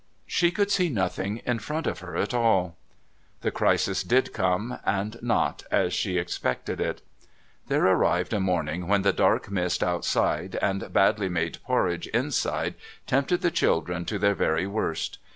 She could see nothing in front of her at all. The crisis did come, but not as she expected it. There arrived a morning when the dark mist outside and badly made porridge inside tempted the children to their very worst.